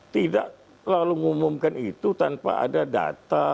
tidak lalu mengumumkan itu tanpa ada data